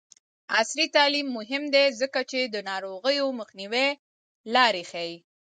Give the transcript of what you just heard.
عصري تعلیم مهم دی ځکه چې د ناروغیو مخنیوي لارې ښيي.